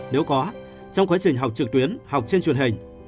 nếu có trong quá trình học trực tuyến học trên truyền hình